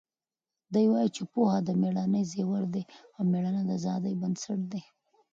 دی وایي چې پوهه د مېړانې زیور دی او مېړانه د ازادۍ بنسټ دی.